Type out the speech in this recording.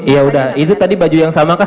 iya udah itu tadi baju yang sama kah